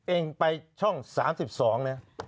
เองไปช่อง๓๒เนี่ย